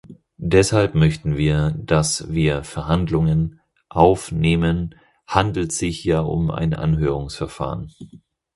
Deshalb möchten wir, dass wir Verhandlungen aufnehmenhandelt sich ja um ein Anhörungsverfahren.